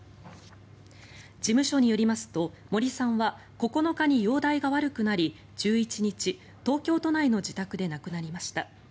事務所によりますと森さんは９日に容体が悪くなり１１日、東京都内の自宅で亡くなりました。